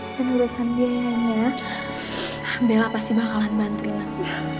dan ulasan dia yang ya bella pasti bakalan bantu inang